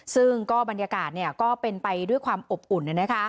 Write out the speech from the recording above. ซึ่งก็บรรยากาศก็เป็นไปด้วยความอบอุ่น